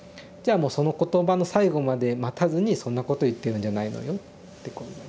その言葉の最後まで待たずに「そんなこと言ってるんじゃないのよ」ってこう。